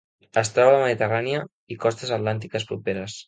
Es troba a la Mediterrània i costes atlàntiques properes.